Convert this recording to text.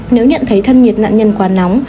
nếu nhận thấy thân nhiệt nạn nhân quá nóng